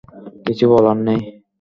কিছুই বলার নেই?